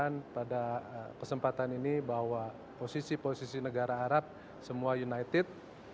saya sampaikan pada kesempatan ini bahwa posisi posisi negara arab semua united